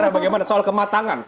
bagaimana soal kematangan